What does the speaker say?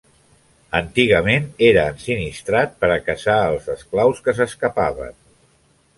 Antigament era ensinistrat per a caçar als esclaus que s'escapaven.